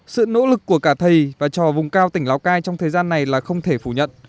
sự nỗ lực của cả thầy và trò vùng cao tỉnh lào cai trong thời gian này là không thể phủ nhận